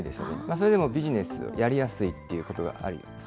それでビジネスをやりやすいというのがあるんです。